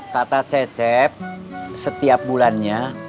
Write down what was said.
kata cecep setiap bulannya